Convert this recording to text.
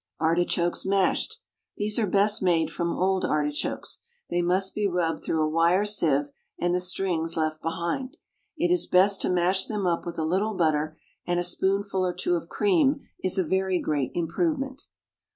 ARTICHOKES, MASHED. These are best made from old artichokes. They must be rubbed through a wire sieve, and the strings left behind. It is best to mash them up with a little butter, and a spoonful or two of cream is a very great improvement.